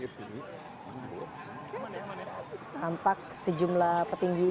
tampak sejumlah petinggi